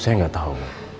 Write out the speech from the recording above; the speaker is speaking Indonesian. saya nggak tahu